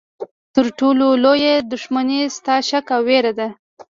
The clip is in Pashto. تر ټولو لویه دښمني ستا شک او ویره ده.